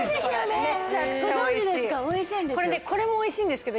これねこれもおいしいんですけど